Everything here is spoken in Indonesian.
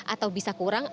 atau bisa kurang